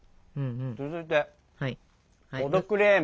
続いてポ・ド・クレーム。